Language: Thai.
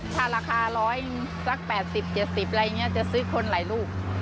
ถ้าราคาร้อยสัก๘๐๗๐บาทจะซื้อคนหลายลูก